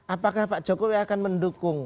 apakah pak jokowi akan mendukung